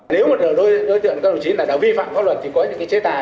nếu một đối tượng cao độ chính đã vi phạm pháp luật thì có những chế tài